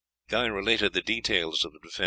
Guy related the details of the defence.